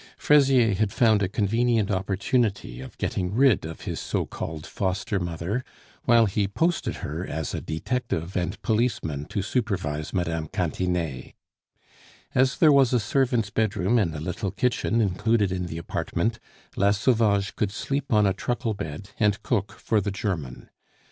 Fraisier had found a convenient opportunity of getting rid of his so called foster mother, while he posted her as a detective and policeman to supervise Mme. Cantinet. As there was a servant's bedroom and a little kitchen included in the apartment, La Sauvage could sleep on a truckle bed and cook for the German.